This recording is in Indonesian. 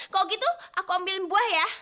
kalau gitu aku ambil buah ya